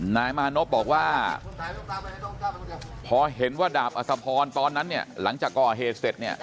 นายมานบบอกว่าพอเห็นว่าดาบอัธพรตอนนั้นหลังจากก่อเหตุเสร็จ